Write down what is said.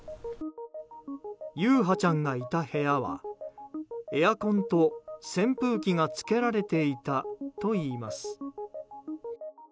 優陽ちゃんがいた部屋はエアコンと扇風機がつけられていたといいます。